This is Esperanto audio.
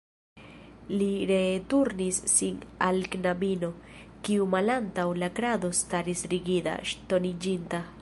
Li ree turnis sin al la knabino, kiu malantaŭ la krado staris rigida, ŝtoniĝinta.